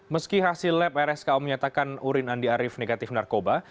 meski hasil lab rsko menyatakan urin andi arief negatif narkoba